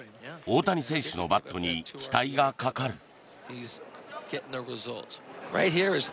大谷選手のバットに期待がかかる。